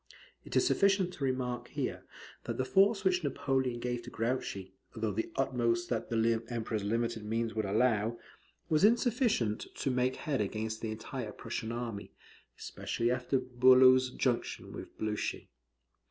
It is sufficient to remark here, that the force which Napoleon gave to Grouchy (though the utmost that the Emperor's limited means would allow) was insufficient to make head against the entire Prussian army, especially after Bulow's junction with Blucher.